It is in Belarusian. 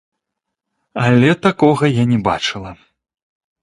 Але такога я не бачыла.